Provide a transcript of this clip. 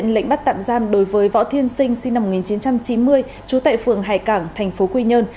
lệnh bắt tạm giam đối với võ thiên sinh năm một nghìn chín trăm chín mươi trú tại phường hải cảng tp quy nhơn